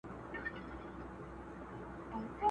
چي د سینې پر باغ دي راسي سېلاوونه!!..